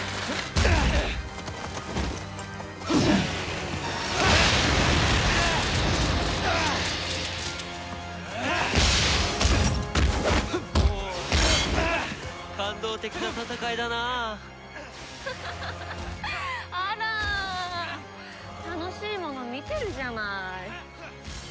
楽しいもの見てるじゃない。